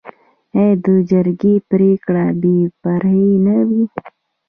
آیا د جرګې پریکړه بې پرې نه وي؟